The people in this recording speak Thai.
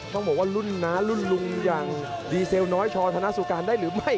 ต้องบอกว่ารุ่นน้ารุ่นลุงอย่างดีเซลน้อยชอธนสุการได้หรือไม่